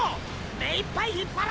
目いっぱい引っ張れ！